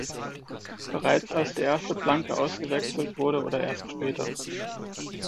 Bereits als die erste Planke ausgewechselt wurde oder erst später?